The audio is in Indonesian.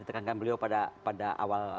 ditekankan beliau pada awal